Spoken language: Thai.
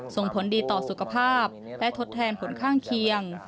ส่งผลดีต่อสุขภาพและทดแทนผลข้างเคียง